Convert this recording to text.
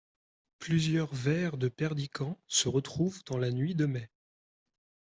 Plusieurs vers de Perdican se retrouvent dans la Nuit de Mai.